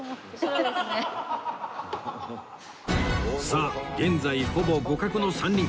さあ現在ほぼ互角の３人